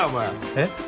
えっ？